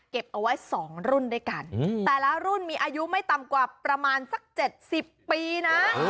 เอาไว้๒รุ่นด้วยกันแต่ละรุ่นมีอายุไม่ต่ำกว่าประมาณสัก๗๐ปีนะ